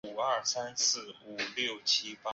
担任安徽益益乳业有限公司董事长。